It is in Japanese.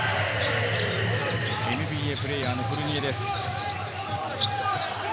ＮＢＡプレーヤーのフルニエです。